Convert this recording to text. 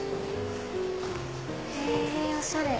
へぇおしゃれ！